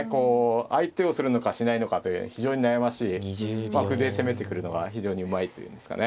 相手をするのかしないのかというのが非常に悩ましい歩で攻めてくるのが非常にうまいと言うんですかね。